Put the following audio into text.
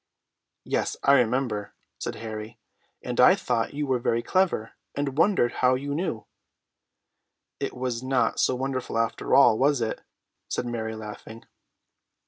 '" "Yes, I remember," said Harry; "and I thought you were very clever, and wondered how you knew." "It was not so wonderful, after all, was it?" said Mary, laughing.